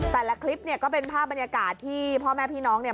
แต่ละคลิปเนี่ยก็เป็นภาพบรรยากาศที่พ่อแม่พี่น้องเนี่ย